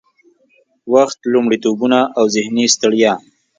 وخت، لومړيتوبونه او ذهني ستړيا